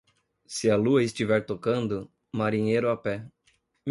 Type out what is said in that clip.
Se a lua estiver tocando, marinheiro a pé.